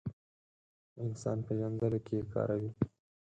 انسان پېژندلو کې کاروي.